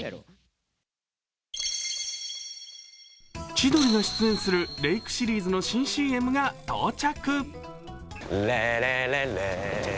千鳥が出演するレイクシリーズの新ＣＭが到着。